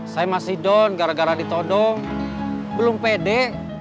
saya masih down gara gara ditodong belum pede